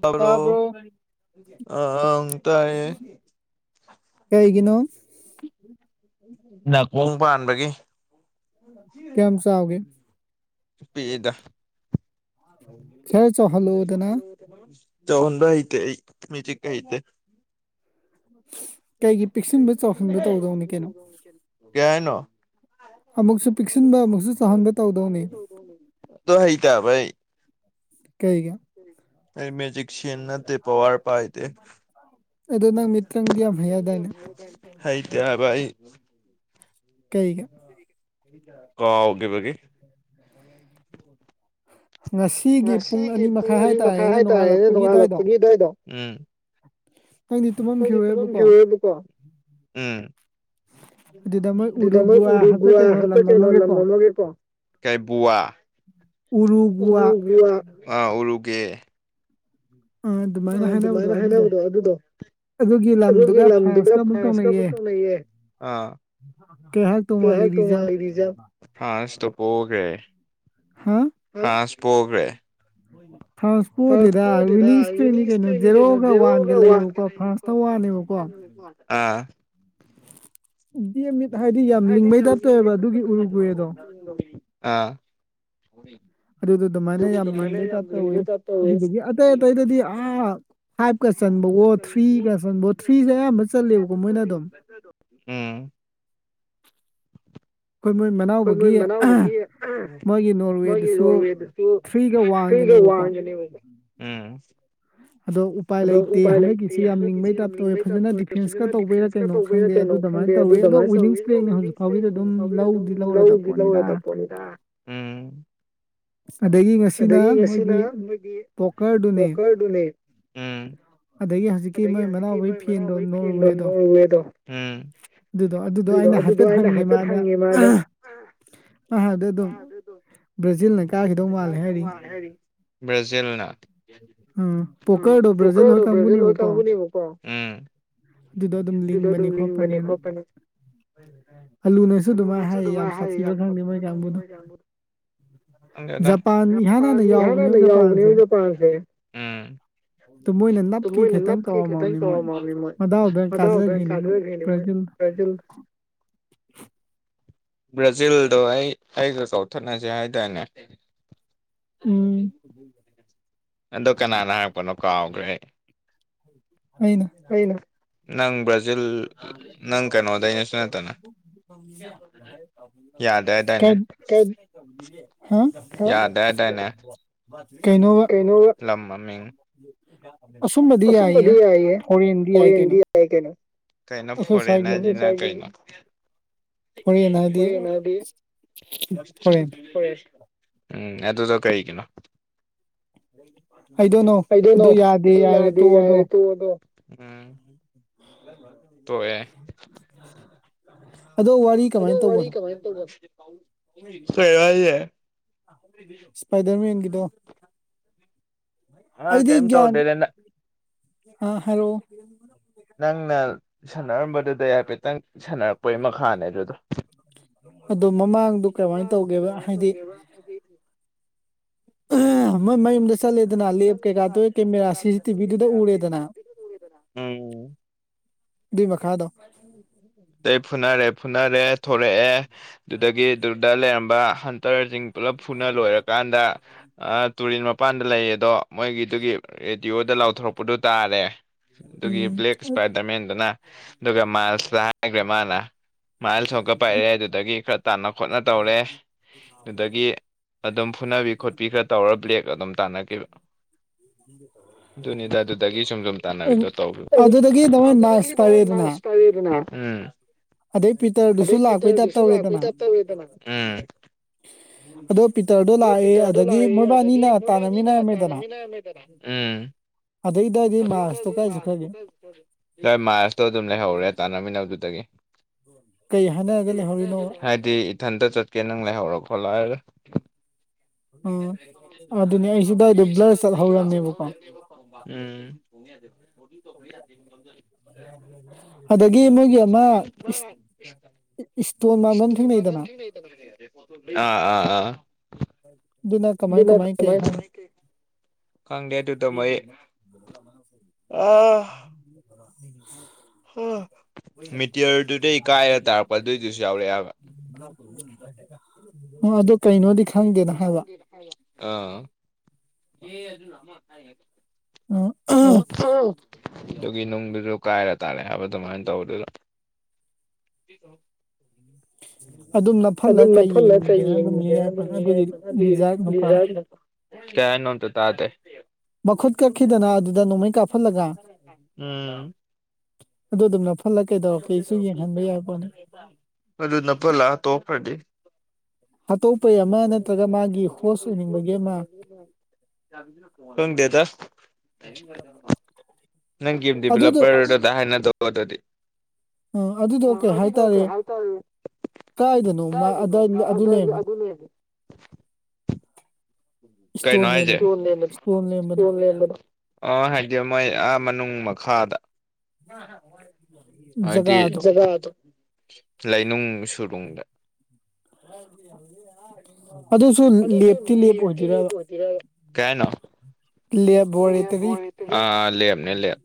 ꯇꯕꯔꯣ ꯇꯥꯕ꯭ꯔꯣ ꯑꯥ ꯑꯥꯡ ꯇꯥꯏꯌꯦ ꯀꯩꯒꯤꯅꯣ ꯅꯥꯀꯣꯡ ꯄꯥꯟꯕꯒꯤ ꯀꯌꯥꯝ ꯆꯥꯎꯒꯦ ꯄꯤꯛꯏꯗꯥ ꯈꯦꯔ ꯆ ꯍꯜꯂꯣꯗꯅ [inaudible] ꯇꯧꯍꯟꯕ ꯍꯩꯇꯦ ꯑꯥꯏ ꯃ꯭ꯖꯤꯛ ꯑꯥꯏꯦ ꯀꯩꯒꯤ ꯄꯤꯛꯁꯤꯟꯕ ꯆꯥꯎꯁꯤꯟꯕ ꯇꯧꯗꯧꯅꯤ ꯀꯩꯅꯣ [unintelligible] ꯀꯩ ꯍꯥꯏꯅꯣ ꯑꯃꯨꯛꯁꯨ ꯄꯤꯛꯁꯤꯟꯕ ꯑꯃꯨꯛꯁꯨ ꯆꯥꯎꯍꯟꯕ ꯇꯧꯗꯧꯅꯦ ꯑꯗꯣ ꯍꯩꯇꯦ ꯍꯥꯌꯕꯥ ꯑꯩ ꯀꯩꯒꯤ ꯃꯦꯖꯤꯛ ꯁꯤꯦꯟꯟꯅꯗ ꯄꯋꯥꯔ ꯄꯥꯏꯗ ꯅꯇ꯭ꯔꯡꯗꯤ ꯌꯥꯝ ꯍꯩꯅꯗꯥꯏꯅꯦ ꯍꯥꯏꯇꯕꯥꯏ ꯀꯩꯒꯤ ꯀꯥꯎꯈꯤꯕꯒꯤ ꯉꯁꯤꯒꯤ ꯄꯨꯡ ꯑꯅꯤ ꯃꯈꯥ ꯍꯥꯏꯇꯥꯔꯦꯅꯦ ꯅꯣꯡꯉꯥꯜꯂꯛꯄꯒꯤ ꯑꯗꯨꯋꯥꯏꯗꯣ ꯅꯪꯗꯤ ꯀꯣꯢꯗꯤ ꯄꯨꯟꯕꯝꯁꯨ ꯇꯨꯝꯃꯝꯈꯤꯔꯣꯏꯕꯀꯣ ꯌꯥꯎꯗꯦꯀꯣ ꯎꯃ ꯑꯗꯨꯗ ꯃꯣꯏ ꯑꯗꯨꯗꯣꯏ ꯎꯔꯨꯒꯨꯋꯥ ꯍꯥꯏꯕ꯭ꯔ ꯎꯔꯒꯋꯥ ꯀꯩꯅꯣ ꯍꯥꯄ ꯂꯝ ꯀꯩꯩꯅꯣ ꯑꯃꯒꯤꯀꯣ ꯂꯝꯪꯃꯒꯦ ꯄꯣ [inaudible] ꯀꯥꯏ ꯨꯋꯥ ꯎꯔꯨꯒꯨꯋꯥ ꯎꯔ ꯑꯥ ꯎꯔꯨꯒꯦ [inaudible] ꯑꯥ ꯑꯗꯨꯃꯥꯏꯅ ꯍꯥꯏꯅꯕꯗꯣ ꯑꯗꯨꯗꯣ ꯑꯗꯨꯒꯤ ꯂꯝꯗꯨꯒ ꯐꯔꯥꯁꯀꯥ ꯑꯃꯨꯛ ꯇꯧꯅꯩꯌꯦ ꯀꯩ ꯍꯥꯏꯔꯛꯇꯧ ꯃꯥꯜꯂꯤ ꯀꯩꯍꯥꯏꯔꯛꯇꯧ ꯃꯥꯜꯂꯦ ꯔꯤꯖꯜ ꯐ꯭ꯔꯥꯟꯁ ꯇꯣ ꯄꯣꯒꯔꯦ ꯐꯔꯥꯟꯁꯄꯣꯒꯔꯦ ꯍꯣꯏꯅꯦ ꯐ꯭ꯔꯥꯟꯁꯄꯨꯗꯨꯗ ꯋꯤꯅꯤꯡꯁꯇꯔꯤꯗꯤ ꯀꯩꯅꯣ ꯖꯦꯔꯣꯒ ꯋꯥꯟꯒ ꯂꯩꯌꯦꯕꯀꯣ ꯐ꯭ꯔꯥꯟꯁꯇ ꯋꯥꯟꯅꯦꯕꯀꯣ ꯑꯥ ꯕꯤ ꯃꯤꯠ ꯍꯥꯏꯗꯤ ꯌꯥꯝ ꯂꯤꯡꯉꯩ ꯇꯥꯞꯇꯣꯏꯑꯕ ꯑꯗꯨꯒꯤ ꯎꯔꯨ ꯀꯨꯏꯦꯗꯣ [inaudible] ꯅꯤ [inaudible] ꯑꯥ ꯑꯗꯨꯗ ꯑꯗꯨꯃꯥꯏꯅ ꯌꯥꯝ ꯂꯤꯡꯕꯩ ꯇꯥꯏꯞ ꯇꯧꯋꯏ ꯑꯗꯨꯗꯨꯒꯤ ꯑꯇꯩ ꯑꯇꯩꯗꯗꯤ ꯑꯥ ꯐꯥꯏꯚꯀ ꯆꯟꯕꯗꯣ ꯊ꯭ꯔꯤꯒ ꯆꯟꯕ ꯊ꯭ꯔꯤꯒ ꯑꯌꯥꯝꯕ ꯆꯜꯂꯦꯕ ꯃꯣꯏꯅ ꯑꯗꯨꯝ ꯎꯝ ꯑꯩꯈꯣꯏ ꯃꯣꯏ ꯈꯣꯏ ꯃꯅꯥꯎꯕꯒꯤ ꯃꯣꯏ ꯃꯅꯥꯎꯗꯨꯒꯤ ꯃꯣꯏꯒꯤ ꯃꯣꯏꯒꯤ ꯅꯣꯔꯋꯦꯗꯨꯁꯨ ꯔꯣꯡꯋꯦꯗꯨꯗꯤ ꯊ꯭ꯔꯤꯒ ꯐꯒ ꯋꯥꯟꯒꯅꯦꯕꯀꯣ ꯋꯥꯖꯅꯤ [inaudible] ꯑꯗꯣ ꯎꯄꯥꯏ ꯑꯗꯣ ꯂꯩꯇꯦ ꯎꯄꯥꯏ ꯂꯩꯇꯦ ꯍꯟꯗꯛꯀꯤꯁꯦ ꯌꯥꯝ ꯍꯟꯗꯛꯀꯤꯁꯤ ꯂꯤꯡꯕꯩ ꯇꯥꯏꯞ ꯇꯧꯋꯦ ꯐꯖꯅ ꯗꯤꯐꯦꯟꯁꯀ ꯌꯥꯝꯕꯩꯔꯅ ꯇꯧꯕꯩꯔꯥ ꯗꯤꯐꯦꯟꯁ ꯀꯩꯅꯣ ꯇꯧꯕꯩꯗ ꯈꯪꯗꯦ ꯀꯩꯅꯣ ꯑꯗꯨ ꯈꯪꯗꯦ ꯇꯧꯋꯤ ꯑꯗꯣ ꯑꯗꯨꯃꯥꯏꯅ ꯋꯤꯅꯤꯡ ꯇꯧꯋꯤ ꯑꯗꯨ ꯏꯁꯇ꯭ꯔꯦꯛꯅꯦ ꯍꯧꯖꯤꯛ ꯍꯧꯖꯤꯛꯁꯤꯡ ꯐꯥꯎꯒꯤꯗꯤ ꯎꯕꯥ ꯑꯗꯨꯝ ꯐꯥꯎꯕꯤꯔꯤꯗꯨꯝ ꯂꯧꯗꯤ ꯂꯧꯔꯗꯕ ꯂꯩꯗꯤ ꯄꯣꯠꯅꯤꯗ ꯂꯩꯔꯗꯣꯏ ꯄꯣꯠꯅꯤꯗ ꯑꯗꯒꯤ ꯉꯁꯤꯅ ꯑꯗꯒꯤ ꯉꯁꯤꯅ ꯃꯣꯏꯒꯤ ꯅꯣꯏꯒꯤ ꯄꯣꯀꯔꯗꯨꯅꯦ ꯄꯣꯀꯔꯗꯨꯅꯤ ꯑꯗꯒꯤ ꯍꯧꯖꯤꯛꯀꯤ ꯑꯗꯒꯤ ꯃꯣꯏ ꯍꯧꯖꯤꯛꯀꯤ ꯃꯅꯥꯎꯕꯩ ꯅꯣꯏ ꯐꯦꯟꯗꯣ ꯃꯅꯥꯎꯕꯒꯤ ꯐꯦꯟꯗꯣ ꯅꯣꯔꯋꯦꯗꯣ ꯅꯣꯏꯔꯨꯋꯦꯗꯣ [inaudible] ꯎꯝ ꯑꯗꯨꯗꯣ ꯑꯗꯨꯗꯣ ꯑꯩꯅ ꯍꯥꯏꯐꯦꯠ ꯍꯪꯉꯦ ꯃꯥꯅ ꯑꯕꯗꯤ ꯑꯗꯨꯝ ꯕ꯭ꯔꯥꯖꯤꯜꯅ ꯀꯥꯈꯤꯗꯧ ꯃꯥꯜꯂꯦ ꯍꯥꯏꯔꯤ ꯕ꯭ꯔꯖꯤꯜꯅ ꯎꯝ ꯄꯣꯀꯔꯗꯣ ꯕ꯭ꯔꯖꯤꯜ ꯍꯣꯏ ꯀꯥꯡꯕꯨꯅꯦꯕꯀꯣ ꯎꯝ ꯑꯗꯨꯗꯣ ꯑꯗꯨꯝ ꯂꯤꯡꯕꯅꯦ ꯈꯣꯠꯄꯅꯦꯅ ꯑꯜꯂꯨꯅꯁꯨ ꯑꯗꯨꯃꯥꯏꯅ ꯍꯥꯏꯌꯦ ꯌꯥꯝ ꯁꯥꯊꯤ꯭ꯔꯥ ꯈꯪꯗꯦ ꯃꯣꯏ ꯀꯥꯡꯕꯨꯗꯣ ꯥꯈꯡꯗꯦꯗꯥ ꯖꯄꯥꯟ ꯏꯍꯥꯟ ꯍꯥꯟꯅ ꯖꯄꯥꯟꯗ ꯌꯥꯎꯕꯅꯦꯕ ꯍꯟꯅꯅꯥ ꯖꯄꯥꯟꯁꯦ ꯌꯥꯎꯕꯅꯦꯕꯥ ꯍꯣꯏ ꯍꯣꯏ ꯑꯗꯨ ꯃꯣꯏꯅ ꯎꯃ ꯅꯞꯀꯦ ꯃꯣꯏꯅ ꯈꯤꯇꯪ ꯅꯞꯀꯦ ꯈꯤꯇꯪ ꯇꯧꯔꯝꯃꯕꯅꯤ ꯃꯣꯏ ꯇꯧꯔꯝꯃꯃꯦ ꯃꯣꯏ ꯃꯗꯥꯎꯗ ꯃꯗꯨꯗꯣ ꯀꯥꯖꯈ꯭ꯔꯤꯅꯤ ꯀꯥꯏꯕꯥ ꯃꯣꯏ ꯂꯣꯏꯗꯔ꯭ꯤꯉꯩꯗ ꯃꯣꯏ ꯕ꯭ꯔꯥꯖꯤꯜꯅ ꯭ꯆꯔꯖꯤꯜ ꯕ꯭ꯔꯥꯖꯤꯜꯗꯣ ꯑꯩ ꯑꯩꯒ ꯀꯥꯎꯊꯠꯅꯁꯦ ꯍꯥꯏꯇꯥꯔꯅꯦ ꯎꯝ ꯎꯝ [inaudible] ꯑꯗꯣ ꯀꯅꯥꯅ ꯍꯥꯏꯔꯛꯄꯅꯣ ꯀꯥꯎꯈ꯭ꯔꯦ ꯑꯩ ꯑꯦꯅ ꯅꯪ ꯕ꯭ꯔꯥꯖꯤꯜ ꯅꯪ ꯀꯩꯅꯣꯗꯩꯅꯁꯨ ꯅꯠꯇꯅ ꯍꯔ [inaudible] ꯌꯥꯗꯦ ꯍꯥꯏꯗꯥꯏꯅꯦ ꯌꯥꯗꯦ ꯍꯥꯏꯗꯥꯏꯅꯦ ꯀꯩꯅꯣꯕ ꯂꯝ ꯃꯃꯤꯡ ꯑꯁꯨꯝꯅꯗꯤ ꯌꯥꯏꯌꯦ ꯐꯣꯔꯦꯟꯗꯤ ꯌꯥꯏ ꯐ ꯀꯩꯅꯣ ꯀꯩꯅ ꯑꯩꯈꯣꯏ ꯁ꯭ꯋꯥꯏꯒꯤ ꯐ [inaudible] ꯐꯣꯔꯦꯟ ꯍꯥꯏꯗꯤ ꯍꯣꯔꯦꯟꯅꯗꯤ ꯐꯣꯔꯦꯟ ꯐꯩ ꯎꯝ ꯑꯗꯨꯗꯣ ꯀꯔꯤꯒꯤꯅꯣ ꯑꯥꯏ ꯗꯣꯟ ꯅꯣ ꯀꯩꯗꯣꯏꯅꯣ ꯑꯗꯨ ꯂꯩꯔꯗꯤ ꯌꯥꯔꯦ ꯇꯣ ꯑꯗꯣ ꯇꯣꯑꯦ ꯑꯗꯣ ꯋꯥꯔꯤ ꯑꯗꯣ ꯀꯃꯥꯏꯅ ꯋꯥꯔꯤ ꯇꯧꯕꯅꯣ ꯀꯃꯥꯏꯅ ꯇꯧꯅꯦ ꯄꯥꯏꯗꯔꯃꯦꯟꯒꯤꯗꯣ ꯑ ꯑꯩꯗꯤ ꯀꯩꯝ ꯒꯌꯥꯟ ꯇꯧꯗꯦꯗ ꯑ ꯍꯥꯏꯔꯣ ꯅꯪꯅ ꯁꯥꯟꯅꯔꯝꯕꯗꯨꯗꯩ ꯍꯥꯏꯐꯦꯠꯇꯪ ꯁꯥꯟꯅꯔꯛꯄꯒꯤ ꯃꯈꯥꯅꯦ ꯑꯗꯨꯗꯣ ꯑꯗꯣ ꯃꯃꯥꯡꯗꫭ ꯀꯃꯥꯏꯅ ꯇꯧꯒꯦꯕ ꯍꯥꯏꯗꯤ ꯃꯣꯏ ꯃꯌꯨꯝꯗ ꯆꯠꯂꯦꯗꯅ ꯂꯦꯞ ꯀꯩꯀꯥꯗꯨ ꯀꯦꯃꯦꯔꯥ ꯁꯤꯁꯤ ꯇꯤ ꯚꯤꯗꯨꯗ ꯎꯔꯦꯗꯅ ꯑꯗꯨꯏ ꯃꯈꯥꯗꯣ [inaudible] ꯑ ꯐꯨꯅꯔꯦ ꯐꯨꯅꯔꯦ ꯊꯣꯔꯛꯑꯦ ꯑꯗꯨꯗꯒꯤ ꯑꯗꯨꯗ ꯂꯩꯔꯝꯕ ꯍꯟꯇꯔꯖꯤꯡ ꯄꯨꯂꯞ ꯐꯨꯅ ꯂꯣꯏꯔꯀꯥꯟꯗ ꯑꯥ ꯇꯨꯔꯦꯟ ꯃꯥ ꯃꯄꯥꯟꯗ ꯂꯩꯌꯦ ꯑꯗꯣ ꯃꯣꯏꯒꯤꯗꯨꯒꯤ ꯔꯦꯗꯤꯑꯣꯗ ꯂꯥꯎꯊꯣꯔꯛꯄꯗꯨ ꯇꯥꯔꯦ ꯑꯗꯨꯒꯤ ꯎꯝ ꯕ꯭ꯂꯦꯛ ꯏꯁꯄꯥꯏꯗꯔꯃꯦꯟꯗꯨꯅ ꯑꯗꯨꯒ ꯃꯥꯜꯁꯇ ꯍꯥꯏꯒꯔꯦ ꯃꯥꯅ ꯃꯥꯏꯜꯁ ꯑꯃꯨꯛꯀ ꯄꯥꯏꯔꯛꯑꯦ ꯑꯗꯨꯗꯒꯤ ꯇꯥꯟꯅ ꯈꯣꯠꯅ ꯇꯧꯔꯦ ꯑꯗꯨꯗꯒꯤ ꯑꯗꯨꯝ ꯐꯨꯅꯕꯤ ꯈꯣꯠꯄꯤ ꯈꯔ ꯇꯧꯔ ꯕ꯭ꯂꯦꯛ ꯑꯗꯨꯝ ꯇꯥꯟꯅꯒꯤꯕ ꯑꯗꯨꯅꯤꯗ ꯑꯗꯨꯗꯒꯤ ꯁꯨꯝ ꯁꯨꯝ ꯑꯩ- ꯇꯥꯟꯅꯕꯤꯗꯣ ꯇꯧꯕ ꯑꯗꯨꯗꯒꯤ ꯅꯃꯣꯏ ꯃꯥꯔꯁ ꯄꯥꯏꯔꯦꯗꯅ ꯄꯥꯏꯔꯛꯑꯦꯗꯅ ꯎꯃ ꯑꯗꯩ ꯄꯤꯇꯔꯗꯨꯁꯨ ꯑꯗꯩ ꯂꯥꯛꯄꯩ ꯇꯥꯏꯞ ꯄꯤꯇꯔꯗꯨꯁꯨ ꯂꯥꯛꯄꯩ ꯇꯧꯔꯦꯗꯅ ꯇꯥ ꯇꯥ ꯇꯧꫪꯦꯗꯅ ꯎꯝ ꯑꯗꯣ ꯄꯤꯇꯔꯗꯣ ꯂꯥꯛꯑꯦ ꯑꯗꯒꯤ ꯃꯣꯏꯕꯥꯅꯤꯅ ꯃꫭꯏꯕꯥꯏꯅꯤꯅꯥ ꯇꯥꯟꯅꯃꯤꯟꯅꯔꯝꯃꯦꯗꯅ ꯇꯥꯅꯃꯤꯅꫪꯝꯃꯦꯗꯅꯥ ꯎꯃ ꯑꯗꯩꯗꯗꯤ ꯃꯥꯔꯁꯇꯣ ꯑꯗꯨꯏꯗꯩꯗꯤ ꯀꯥꯏ ꯆꯠꯈ꯭ꯔꯒꯦ ꯃꯥꯁꯇꯨꯒ [unintelligible] ꯃꯥꯁꯇꯣ ꯑꯗꯨꯝ ꯂꯩꯍꯧꯔꯦ ꯇꯥꯟꯅꯃꯤꯟꯅꯕꯗꯨꯗꯩꯒꯤ ꯀꯩ ꯍꯥꯏꯅꯔꯒ ꯂꯩꯍꯧꯔꯤꯅꯣꯕ ꯍꯥꯏꯗꯤ ꯏꯊꯟꯇ ꯆꯠꯀꯦ ꯅꯪ ꯂꯩꯍꯧꯔ ꯈꯣꯠꯂꫭ ꯍꯥꯏꫪꯒ ꯑ ꯑꯗꯨꯅꯦ ꯑꯩꯁꯨꯗꯗꯥꯏꯗ ꯕ꯭ꯂꯔ ꯆꯠꯍꯧꯔꯝꯅꯦꯕꯀꯣ ꯎꯝ ꯑꯗꯒꯤ ꯃꯣꯏꯒꯤ ꯑꯃ ꯏꯁꯇꯣꯟ ꯃꯥꯟꯕꯝ ꯊꯦꯡꯅꯩꯗꯅ [unintelligible] ꯑꯥ ꯑꯥ ꯗꯨꯅ ꯀꯃꯥꯏ ꯀꯃꯥꯏ ꯀꯩ ꯍꯥꯏ ꯈꯪꯗꯦ ꯑꯗꯨꯗ ꯃꫭꯏ [unintelligible] ꯃꯤꯇꯤꯌꯔꯗꯨꯗꯩ ꯀꯥꯏꯔ ꯇꯥꯔꯛꯄ ꯑꯗꯨꯏꯗꯨꯁꯨ ꯌꯥꯎꯔꯛꯑꯦꯕ ꯑꯣ ꯑꯗꯨ ꯀꯩꯅꯣꯗꯤ ꯈꯪꯗꯦꯅ ꯀꯩꯅꫭꯗꯤ ꯍꯥꯏꯕ ꯈꯪꯗꯦ ꯅ ꯍꯥꯏꯕ ꯑꯥꯥ ꯎꯝ [unintelligible] ꯑꯗꯨꯒꯤ ꯅꯨꯡꯗꯨꯖꯨ ꯀꯥꯏꯔ ꯇꯥꯔꯦ ꯍꯥꯏꯕ ꯑꯗꯨꯃꯥꯏꯅ ꯇꯧꯕꯗꯨꯗ ꯑꯗꯨꯝ [inaudible] ꯅꯞꯐꯜꯂ ꯑꯗꯨꯝ ꯀꯩ ꯃꯐꯝ ꯅꯠꯇ ꯌꯦꯡꯒꯦꯅ ꯑꯗꯨꯝ ꯌꯦꯡ ꯌꯦꯡꯉꯗꯅ ꯌꯥꯏ ꯑꯗꯨꯝꯉꯏ ꯑꯗꯨꯒꯤ ꯂꯤꯖꯥꯔꯠ ꯅꯨꯄꯥ ꯑꯗꯨ [unintelligible] ꯀꯩ ꯍꯥꯏꯅꫭ ꯑꯃꯇꯥ ꯇꯥꯗꯦ ꯃꯈꯨꯠ ꯀꯛꯈꯤꯗꯅ ꯑꯗꯨ ꯅꯣꯡꯃꯩ ꯀꯥꯞꯄ ꯎꯝ ꯑꯗꯨ ꯑꯗꯨꯝꯅꯐꯜꯂꯒ ꯀꯩꯗꯧꯔꯛ ꯀꯦꯁꯨ ꯌꯦꯡꯍꯟꯕ ꯌꯥꯏꯄꫭꯠꯅꯤ [unintelligible] ꯑꯗꯨꯗꯨ ꯅꯞꯐꯜꯂ ꯍꯥꯇꫭꯛꯈꯔꯗꯤ ꯑꯇꯣꯞꯄꯩ ꯑꯃ ꯅꯠꯇ꯭ꯔꯒ ꯃꯥꯒꯤ ꯍꯣꯁ ꯑꯣꯏꯅꯤꯡꯕꯒꯤ ꯑꯃ [inaudible] ꯈꯪꯗꯦꯗ ꯅꯪ ꯒꯦꯝ ꯑꯗꯨꯗꯣ ꯗꯤꯕꯂꯄꯔ ꯗꯥ ꯍꯥꯏꯅ ꯗꫭ ꯑꯗꯨꯗꯤ ꯑ ꯑꯗꯨꯗꯣ ꯀꯩ ꯍꯥꯏꯇꯥꯔꯦ ꯀꯥꯏꯗꯅꯣꯃ ꯑꯗꯥꯏ ꯑꯗꯨ ꯂꯩꯔꯝꯃꯤꯗꯨ ꯀꯩꯅꫭ ꯏꯁꯇꯣꯟ ꯍꯥꯏꯖꯦ ꯂꯩꯔꯝꯕꯗꯣ ꯏꯁꯇꯣꯟ ꯂꯩꯔꯝꯕꯗꯣ [unintelligible] ꯑ ꯍꯥꯏꯗꯤ ꯃꯣꯏ ꯑꯥ ꯃꯅꯨꯡ ꯃꯈꯥꯗ ꯍꯥꯏꯗꯤ ꯖꯒꯥꯗꯣ ꯖꯒꯥꯗꫭ ꯂꯩꯅꯨꯡ ꯁꯨꯔꯨꯡꯗ ꯑꯗꯨꯁꯨ ꯂꯦꯞꯇꯤ ꯂꯦꯞ ꯑꯣꯏꯗꯣꯏꯔ ꯑꯣꯏꯗꯣꯏꯔ ꯀꯥꯏ ꯍꯥꯏꯅꯣ ꯂꯦꯕꯣꯔꯦꯇꯔꯤ ꯑꯥ ꯂꯦꯕꯅꯦ ꯂꯦꯕ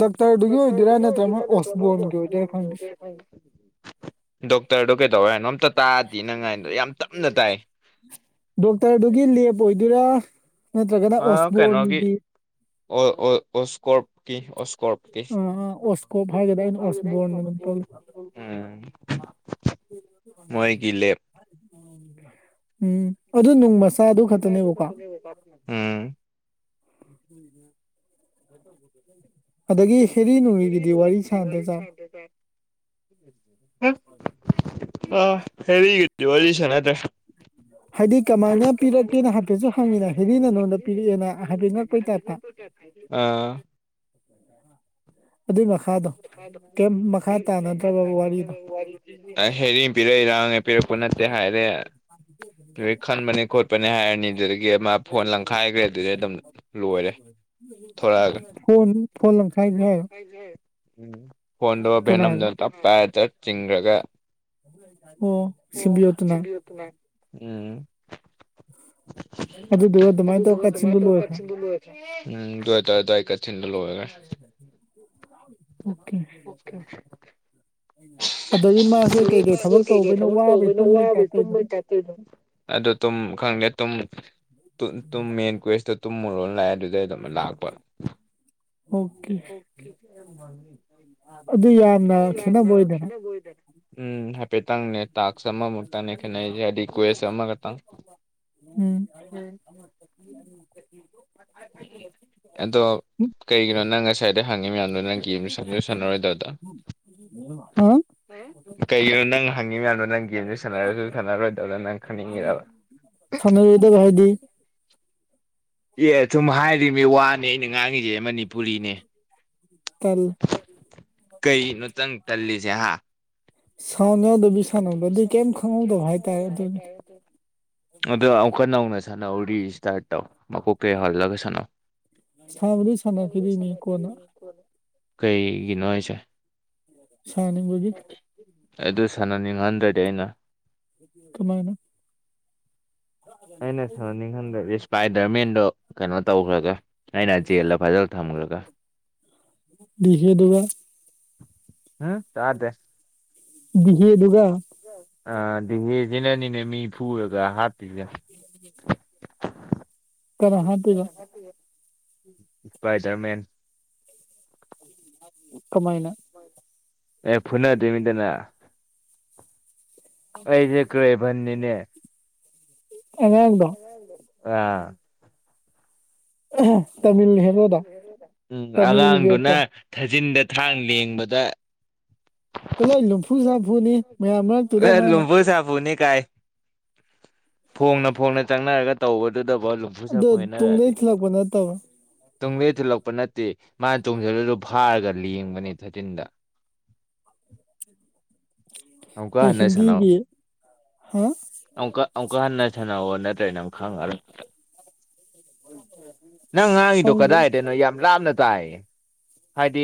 ꯗꯣꯛꯇꯔꯗꯨꯒꯤ ꯑꯣꯏꯗꯣꯏꯔꯥ ꯗꯥꯛꯇꯔꯗꯒꯤ ꯅꯠꯇ꯭ꯔꯒ ꯑꯣꯏꯗꯣꯏꯔ ꯃꯣꯏ ꯅꯠꯇ꯭ꯔꯥ ꯑꯣꯔꯊꯣ ꯑꯣꯁꯕꯣꯟꯒꯤ ꯒꯤ ꯑꯣꯏꯗꯣꯏꯔꯥ ꯈꯪꯗꯦ ꯑꯣꯏꯗꯣꯏꯔ ꯃꯥꯏꯖꯤ ꯗꯣꯛꯇꯔꯗꯣ ꯀꯩꯗꯧ ꯍꯥꯏꯅꯣ ꯑꯝꯇ ꯇꯥꯗꯤꯌꯦ ꯅꯪ ꯉꯥꯏꯗꯣ ꯌꯥꯝ ꯇꯞꯅ ꯇꯥꯏ ꯗꯣꯛꯇꯔꯗꯨꯒꯤ ꯂꯦꯞ ꯑꯣꯏꯗꯣꯏꯔꯥ ꯅꯠꯇ꯭ꯔꯒꯅ ꯑ ꯀꯩꯅꯣꯒꯤ ꯑꯣꯁꯕꯣꯟꯒꯤ ꯑꯣ ꯑꯣ ꯑꯣꯀꯣꯔ ꯑꯣ ꯑꯣꯁꯀꯣꯞ ꯍꯥꯏꯒꯗ ꯑꯩꯅ ꯑꯣꯁꯕꯣꯟ ꯑꯗꯨꯝ ꯇꯧ ꯎꯝ ꯃꯣꯏꯒꯤ ꯂꯦꯞ [unintelligible] ꯎꯝ ꯑꯗꯨ ꯅꯨꯡ ꯃꯆꯥ ꯑꯗꯨ ꯈꯛꯇꯅꯦꯕꯀꯣ [unintelligible] ꯎꯝ ꯑꯗꯒꯤ ꯍꯦꯔꯤ ꯅꯨꯡꯃꯤꯒꯤꯗꯤ ꯋꯥꯔꯤ ꯁꯥꯥꯟꯅꯗ ꯖꯥꯠ [unintelligible] [inaudible] ꯍꯦꯔꯤꯒꯗꯤ ꯋꯥꯔꯤ ꯁꯥꯟꯅꯗ꯭ꯔꯦ [inaudible] ꯍꯥꯏꯗꯤ ꯀꯃꯥꯏꯅ ꯄꯤꯔꯛꯀꯦꯅ ꯍꯥꯏꯐꯦꯠꯁꯨ ꯍꯪꯉꯤꯅ ꯍꯦꯗꯤ ꯅ ꯅꯣꯟꯗ ꯄꯤꯔꯛꯑꯦꯅ ꯍꯥꯏꯐꯦꯠ ꯉꯛꯄꯩ ꯇꯥꯏꯞꯇ [unintelligible] ꯑꯥ ꯑꯗꯨꯏ ꯃꯈꯥꯗꯣ ꯀꯩꯝ ꯃꯈꯥ ꯇꯥꯅꯗ꯭ꯔꯕꯕ ꯋꯥꯔꯤꯗꯣ [unintelligible] ꯍꯦꯔꯤ ꯄꯔꯩꯔꯥ ꯑꯩ ꯄꯤꯔꯛꯄ ꯅꯠꯇꯦ ꯍꯥꯏꯔꯦ ꯑꯗꯨꯗꯩ ꯈꯟꯕꯅꯦ ꯈꯣꯠꯄꯅꯦ ꯍꯥꯏꯔꯅꯤ ꯑꯗꯨꯗꯒꯤ ꯑꯃ ꯐꯣꯟ ꯂꯪꯈꯥꯏꯒ꯭ꯔꯦ ꯑꯗꯨꯗꯩ ꯑꯗꯨꯝ ꯂꯣꯏꯔꯦ ꯊꯣꯔꯛꯑꯒ ꯐꯣꯟ ꯐꯣꯟ ꯂꯪꯈꯥꯏꯒ꯭ꯔꯦ ꯎꯝ ꯐꯣꯟꯗꯣ ꯚꯦꯅꯝꯗꯣ ꯀꯅꯥꯒꯤ ꯇꯞ ꯄꯥꯏꯔ ꯆꯠ ꯆꯤꯡꯒ꯭ꯔꯒ ꯑꯣ ꯑꯣ ꯁꯤꯝꯕꯤꯌꯣꯠꯇꯨꯅ [unintelligible] ꯎꯝ ꯑꯗꯨꯗꯨꯒ ꯑꯗꯨꯃꯥꯏꯅ ꯇꯧꯔ ꯑꯗꯨꯗꯨꯒ ꯑꯗꯨꯃꯥꯏ ꯀꯥꯆꯤꯟꯗꯨ ꯇꯧꯕ ꯂꯣꯏꯈ꯭ꯔꯦ ꯀꯆꯤꯟ ꯂꯣꯏ ꯎꯝ ꯑꯗ ꯑꯗꯥꯋꯥꯏ ꯀꯥꯆꯤꯟꯗ ꯂꯣꯋꯒꯦ ꯑꯣꯀꯦ ꯑꯣꯀꯦ ꯑꯗꯒꯤ ꯃꯥꯁꯦ ꯀꯩꯀꯩ ꯊꯕꯛ ꯀꯩꯀꯩ ꯇꯧꯕꯩꯅꯣ ꯊꯕꯛ ꯋꯥꯕꯩ ꯇꯧꯕꯅꯣ ꯇꯨꯝꯕꯩ ꯋꯥꯕ ꯇꯥꯏꯞ ꯇꯨꯝꯕꯩ ꯇꯧꯋꯤꯗꯅ ꯇꯥꯏꯞ ꯑꯗꯨ ꯇꯨꯝ ꯈꯪꯗꯦ ꯇꯨꯝ ꯇꯨꯝ ꯃꯦꯟ ꯀꯨꯋꯦꯁꯇꯣ ꯇꯨꯝꯃꯨꯔꯣ ꯂꯥꯛꯑꯦ ꯑꯗꯨꯗꯩ ꯑꯗꯨꯝ ꯂꯥꯛꯄ ꯑꯣꯀꯦ ꯑꯗꯨ ꯌꯥꯝꯅ ꯈꯦꯟꯅꯅꯕ ꯑꯣꯏꯗꯦꯅ ꯑꯣꯏꯗꯦ ꯎꯝ ꯍꯥꯏꯐꯦꯠꯇꯪꯅꯦ ꯇꯥꯛꯁ ꯑꯃꯃꯨꯛꯇꯪꯅꯦ ꯈꯦꯠꯅꯩꯁꯦ ꯍꯥꯏꯗꯤ ꯀꯣꯏꯁ ꯑꯃ ꯀꯇꯪ ꯎꯝ ꯑꯗꯣ ꯀꯩꯒꯤꯅꯣ ꯅꯪ ꯉꯁꯥꯏꯗꯩ ꯍꯪꯉꯤ ꯃꯌꯥꯝꯗꯣ ꯅꯪ ꯒꯦꯝ ꯁꯥꯁꯨ ꯁꯥꯟꯅꯔꯣꯏꯗꯕꯗ [inaudible] ꯀꯩꯒꯤꯅꯣ ꯅꯪ ꯍꯪꯉꯤ ꯃꯌꯥꯝꯗꯣ ꯅꯪ ꯒꯦꯝꯖꯨ ꯁꯥꯟꯅꯔꯁꯨ ꯁꯥꯟꯅꯔꯣꯏꯗꯕ ꯅꯪ ꯈꯪꯅꯤꯡꯉꯤꯔꯕ [unintelligible] ꯑꯦ ꯁꯨꯝ ꯍꯥꯏꯔꯤꯕꯤ ꯋꯥꯅꯦ ꯑꯩꯅ ꯉꯥꯡꯉꯤꯖꯦ ꯃꯅꯤꯄꯨꯔꯤꯅꯦ ꯇꯟ ꯀꯩꯩꯒꯤꯅꯣ ꯇꯪ ꯇꯜꯂꯤꯁꯦ ꯍꯥ ꯁꯥꯎꯟ ꯌꯥꯎꯗꯕꯤ ꯁꯥꯟꯅꯧꯗꯣ ꯑꯗꯨꯗꯤ ꯀꯩꯝ ꯈꯪꯍꯧꯗꯕ ꯍꯥꯏꯇꯥꯔꯦ ꯑꯗꯨ ꯑꯗꯣ ꯑꯃꯨꯛꯀ ꯅꯧꯅ ꯁꯥꯟꯅꯧ ꯔꯤꯁꯇꯥꯔꯠ ꯇꯧ ꯃꯀꯣꯛ ꯀꯌꯥ ꯍꯜꯂꯒ ꯁꯥꯟꯅꯧ ꯁꯕꯗꯤ ꯁꯥꯟꯅ ꯀꯔꯤꯅꯤ ꯀꯣꯟꯅ ꯎ ꯀꯩꯒꯤꯅꯣ ꯍꯥꯏꯁꯦ ꯁꯥ ꯅꯤꯡꯉ ꯍꯒꯤ ꯑꯩ ꯑꯗꯨ ꯁꯥꯟꯅꯅꯤꯡꯍꯟꯗ꯭ꯔꯗꯤ ꯑꯩꯅ ꯀꯃꯥꯏꯅ ꯑꯩꯅ ꯁꯅꯤꯡ ꯈꯟꯗꯕꯗꯤ ꯏꯁꯄꯥꯏꯗꯔ ꯃꯦꯟꯗꯣ ꯀꯩꯅꯣ ꯇꯧꯈ꯭ꯔꯒꯦ ꯑꯩꯅ ꯆꯦꯜꯂ ꯐꯖꯅ ꯊꯝꯈ꯭ꯔꯒ ꯅꯤꯡꯁꯦꯗ ꯋꯥ ꯎꯝ ꯇꯗꯦ ꯍꯦ ꯑꯗꯨꯒꯒ ꯑꯗꯤꯖꯅꯅꯤꯅꯦ ꯃꯤ ꯄꯨꯒ ꯍꯥꯥꯛꯄꯤꯒ ꯎꯝ ꯥꯏ ꯗꯔꯃꯦꯟ ꯀꯃꯥꯏꯅ ꯑꯦ ꯐꯨꯅ ꯗꯦꯃꯤꯇꯅ ꯑꯩꯖꯦ ꯀ꯭ꯔꯦꯕꯟ ꯅꯤꯅꯦ ꯑ ꯑ ꯇꯥꯃꯤꯜ ꯍꯦꯔꯣꯗ ꯎꯝ ꯇꯥꯃꯤꯜꯒꯤ ꯑꯉꯥꯡꯗꯨꯅ ꯕꯦꯠꯇꯣ ꯊꯥꯖꯤꯟꯗ ꯊꯥꯡ ꯂꯦꯡꯕꯗ ꯂꯣꯏ ꯂꯨꯝꯐꯨ ꯁꯥꯐꯨꯅꯤ ꯃꯌꯥꯝ ꯃꯔꯛꯇꯨꯗ ꯃꯥꯅ ꯂꯨꯝꯕꯨ ꯁꯥꯕꯨꯨꯅꯤ ꯀꯥꯏ ꯐꯣꯡꯅ ꯐꯣꯡꯅ ꯆꯪꯅꯔꯒ ꯇꯧꯕꯗꯨꯗꯐꯣ ꯑꯗꯨꯝ ꯑꯗꯣ ꯇꯨꯡꯗꯩ ꯊꯤꯜꯂꯛꯄ ꯅꯠꯇꯕ ꯇꯨꯡꯂꯦꯟ ꯊꯤꯜꯂꯛꯄ ꯅꯠꯇꯦ ꯃꯥꯅ ꯇꯣꯡꯁꯤꯜꯂꯗꯨ ꯐꯥꯔꯒ ꯂꯦꯡꯕꯅꯦ ꯊꯥꯔꯇꯤꯟꯗ [inaudible] ꯍꯪꯀ ꯍꯟꯅ ꯁꯅꯥꯣ ꯍꯤꯟꯗꯤꯒꯤ ꯍꯥ ꯑꯃꯨꯛꯀ ꯑꯃꯨꯛꯀ ꯍꯟꯅ ꯁꯥꯟꯅꯑꯣꯣ ꯅꯠꯇ꯭ꯔꯦꯅ ꯑꯃꯛ ꯈꯪꯉ ꯅꯪ ꯉꯥꯡꯉꯤꯗꯣ ꯈꯪꯗꯦ ꯀꯗꯥꯏꯗꯅꯣ ꯌꯥꯝ ꯂꯥꯞꯅ ꯇꯥꯏꯌꯦ ꯍꯥꯏꯗꯤ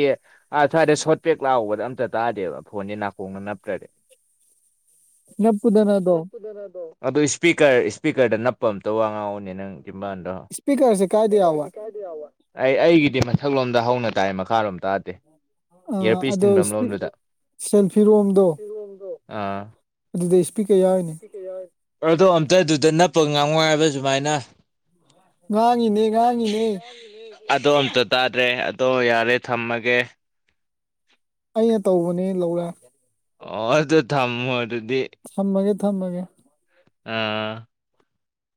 ꯁ꯭ꯋꯥꯏꯗ ꯁꯣꯔꯠ ꯄꯦꯛ ꯂꯥꯛꯕꯗ ꯑꯝꯇ ꯇꯥꯗꯦꯕ ꯐꯣꯟꯁꯦ ꯅꯥꯀꯣꯡꯅ ꯅꯞꯄ꯭ꯔꯗꯤ ꯅꯞꯄꯨꯗꯅ ꯑꯗꯨ ꯏꯁꯄꯤꯀꯔ ꯏꯁꯄꯤꯀꯔꯗ ꯅꯞꯄ ꯑꯝꯇ ꯋꯥ ꯉꯥꯡꯑꯣꯅꯦ ꯅꯪ ꯤꯝꯕꯥꯥꯟꯗꯣ ꯏꯁꯄꯤꯀꯔꯁꯦ ꯀꯥꯏꯗ ꯌꯥꯎꯋꯦ ꯑꯩ ꯑꯩꯒꯤꯗꯤ ꯃꯊꯛꯂꯣꯝꯗ ꯍꯧꯅ ꯇꯥꯏ ꯃꯈꯥꯔꯣꯝ ꯇꯥꯗꯦ ꯑ ꯏꯌꯥꯔꯄꯤꯁ ꯑꯗꯣ ꯊꯤꯟꯐꯝ ꯂꯣꯝꯗꯨꯗ ꯁꯦꯜꯐꯤꯔꯣꯝꯗꯣ ꯑꯥ ꯑꯗꯨꯗ ꯏꯁꯄꯤꯛ ꯀꯌꯥ ꯌꯥꯎꯣꯏꯅꯦ ꯑꯗꯣ ꯑꯝꯇꯗꯨꯗ ꯅꯞꯄꯒ ꯉꯥꯡ ꯋꯥꯥꯏꯕ ꯁꯨꯃꯥꯏꯅ ꯉꯥꯡꯉꯤꯅꯦ ꯉꯥꯡꯉꯤꯅꯦ ꯑꯗꯣ ꯑꯝꯇ ꯇꯥꯗ꯭ꯔꯦ ꯑꯗꯣ ꯌꯥꯔꯦ ꯊꯝꯃꯒꯦ ꯑꯩꯅ ꯇꯧꯕꯅꯦ ꯂꯧꯔꯦ ꯑꯣ ꯑꯗꯨꯣ ꯊꯝꯃꯣꯔꯗꯤ ꯊꯝꯃꯒꯦ ꯊꯝꯃꯒꯦ ꯑꯥ